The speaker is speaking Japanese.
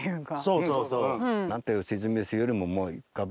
そうそうそう。